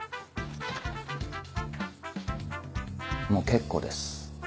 もう結構です。